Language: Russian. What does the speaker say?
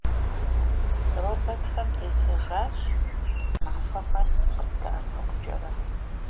Роботы стали обычным явлением, помогая нам во всех сферах жизни.